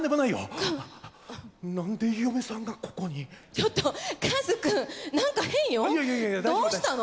ちょっとカズくんどうしたの？